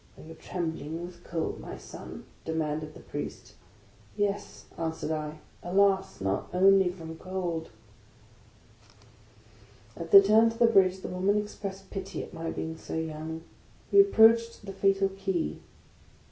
" Are you trembling with cold, my son ?" demanded the Priest. " Yes," answered I. " Alas! not only from cold." At the turn to the Bridge, the women expressed pity at my being so young. We approached the fatal Quay.